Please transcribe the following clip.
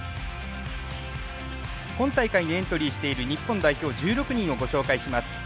今大会にエントリーしている日本代表１６人をご紹介します。